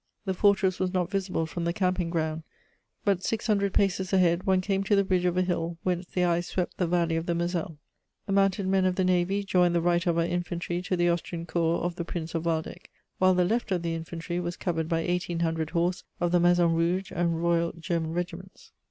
The fortress was not visible from the camping ground, but, six hundred paces ahead, one came to the ridge of a hill whence the eye swept the Valley of the Moselle. The mounted men of the navy joined the right of our infantry to the Austrian corps of the Prince of Waldeck, while the left of the infantry was covered by 1800 horse of the Maison Rouge and Royal German Regiments.